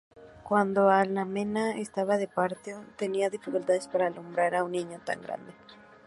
Cuando Alcmena estaba de parto, tenía dificultades para alumbrar a un niño tan grande.